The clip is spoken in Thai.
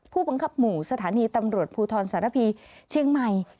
ผู้บังคับหมู่สถานีตำรวจภูทรสารพีเชียงใหม่